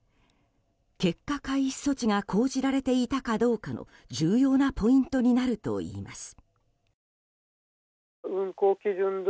結果回避措置が講じられていたかどうかの重要なポイントになるといいます。